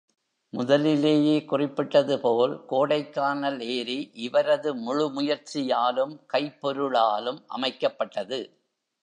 முதலிலேயே குறிப்பிட்டது போல், கோடைக்கானல் ஏரி இவரது முழு முயற்சியாலும், கைப்பொருளாலும் அமைக்கப்பட்டது.